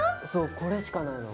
これしかないの。